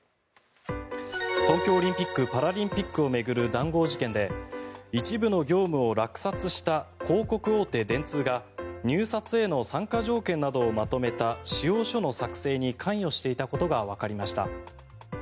東京オリンピック・パラリンピックを巡る談合事件で一部の業務を落札した広告大手、電通が入札への参加条件などをまとめた仕様書の作成に関与していたことがわかりました。